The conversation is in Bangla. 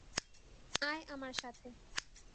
আয় আমার সাথে!